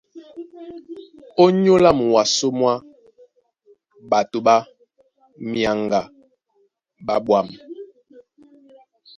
Ónyólá muwasó mwá ɓato ɓá myaŋga ɓá ɓwâm.